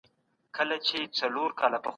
شتمن بايد زکات ورکړي.